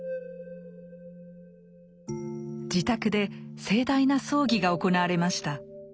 自宅で盛大な葬儀が行われました。